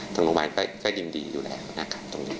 ตรงโรงพยาบาลก็ยินดีอยู่แล้วนะครับ